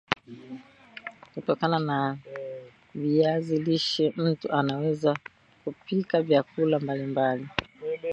kutokana na viazi lishe mtu anaweza kupika vyakula mbali mbali